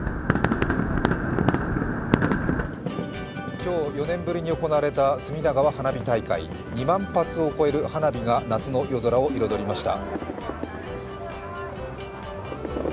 今日、４年ぶりに行われた隅田川花火大会２万発を超える花火が夏の夜空を彩りました。